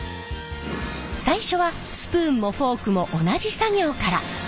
最初はスプーンもフォークも同じ作業から。